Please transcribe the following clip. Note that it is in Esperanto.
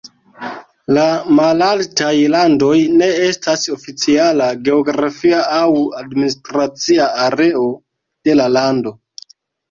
La Malaltaj Landoj ne estas oficiala geografia aŭ administracia areo de la lando.